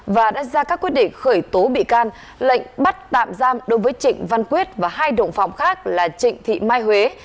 và đặt ra các quyết định khởi tố bị can lệnh bắt tạm giam đối với trịnh văn quyết và hai động phòng khác là trịnh thị mai huế